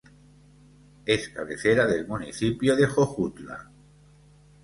Es cabecera del municipio de Jojutla.